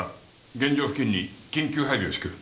現場付近に緊急配備を敷く。